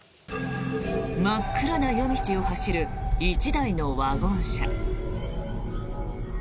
真っ暗な夜道を走る１台のワゴン車。